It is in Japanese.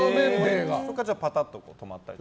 そこからパタッと止まったりして。